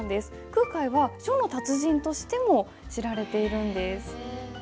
空海は書の達人としても知られているんです。